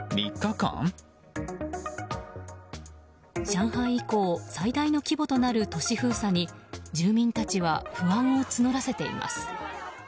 上海以降最大の規模となる都市封鎖に住民たちは不安を募らせています。